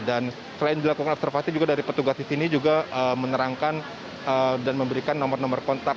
dan selain dilakukan observasi juga dari petugas di sini juga menerangkan dan memberikan nomor nomor kontak